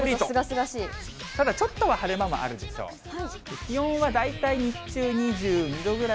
ただちょっとは晴れ間もあるお伝えします。